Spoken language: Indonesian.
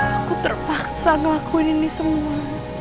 aku terpaksa ngelakuin ini semua